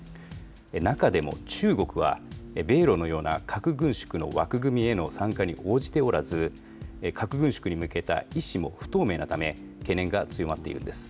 中でも中国は、米ロのような核軍縮の枠組みへの参加に応じておらず、核軍縮に向けた意思も不透明なため、懸念が強まっているんです。